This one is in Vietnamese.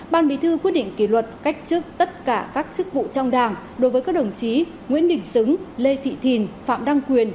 ban bí thư quyết định kỷ luật cách chức tất cả các chức vụ trong đảng đối với các đồng chí nguyễn đình xứng lê thị thìn phạm đăng quyền